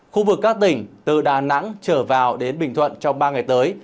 khu vực các tỉnh từ đà nẵng trở vào đến bình thuận trong ba ngày tới